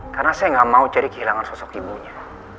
karena saya gak mau ceri kehilangan sosok ibunya